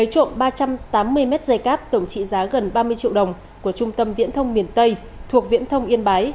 chú xã xu phình lấy trộm ba trăm tám mươi mét dây cáp tổng trị giá gần ba mươi triệu đồng của trung tâm viễn thông miền tây thuộc viễn thông yên bái